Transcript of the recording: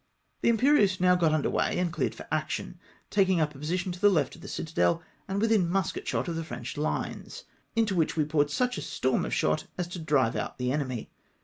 The Imperieuse now got under weigh, and cleared for action, taking up a position to the left of the citadel, and within musket shot of the French lines, into which we poured such a storm of shot as to drive out the enemy.